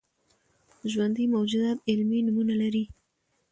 ژوندي موجودات علمي نومونه لري